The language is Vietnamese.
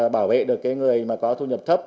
bảo vệ được người có thu nhập thấp